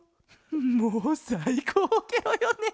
もうさいこうケロよね。